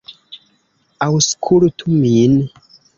Aŭskultu min!